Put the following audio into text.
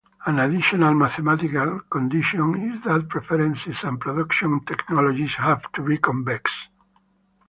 An additional mathematical condition is that preferences and production technologies have to be convex.